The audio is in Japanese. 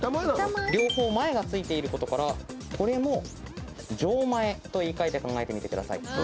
両方「前」が付いていることからこれも「錠前」と言い換えて考えてみてください。